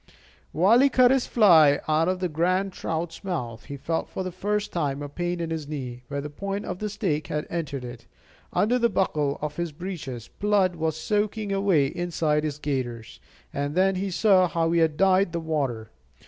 While he cut his fly out of this grand trout's mouth, he felt for the first time a pain in his knee, where the point of the stake had entered it. Under the buckle of his breeches blood was soaking away inside his gaiters; and then he saw how he had dyed the water.